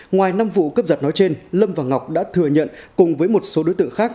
ngoài năm vụ cướp giật nói trên lâm và ngọc đã thừa nhận cùng với một số đối tượng khác